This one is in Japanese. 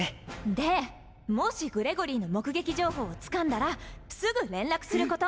でもしグレゴリーの目撃情報をつかんだらすぐ連絡すること！